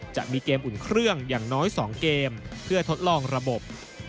จะมีเกมอุ่นเครื่องอย่างน้อย๒เกมเพื่อทดลองระบบ